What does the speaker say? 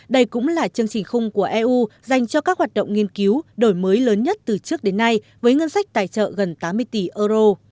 đây cũng là chương trình khung của eu dành cho các hoạt động nghiên cứu đổi mới lớn nhất từ trước đến nay với ngân sách tài trợ gần tám mươi tỷ euro